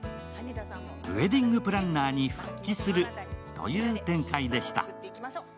ウエディングプランナーに復帰するという展開でした。